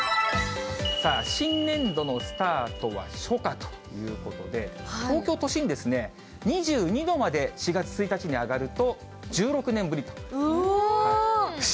さあ、新年度のスタートは初夏ということで、東京都心ですね、２２度まで４月１日に上がると、１６年ぶりと。